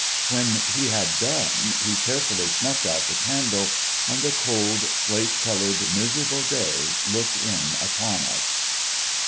When he had done, he carefully snufted out the candle ; and the cold, slate coloured, miserable day looked in upon us.